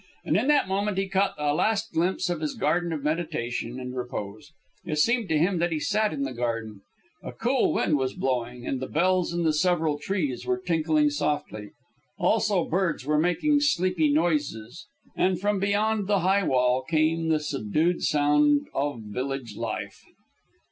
And in that moment he caught a last glimpse of his garden of meditation and repose. It seemed to him that he sat in the garden. A cool wind was blowing, and the bells in the several trees were tinkling softly. Also, birds were making sleepy noises, and from beyond the high wall came the subdued sound of village life.